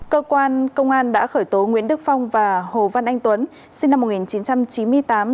cơ quan công an đã khởi tố nguyễn đức phong và hồ văn anh tuấn sinh năm một nghìn chín trăm chín mươi tám